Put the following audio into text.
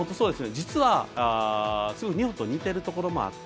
実はすごく日本と似てるところもあって。